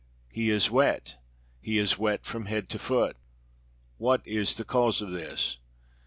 he is wet. He is wet from head to foot. What is the cause of this?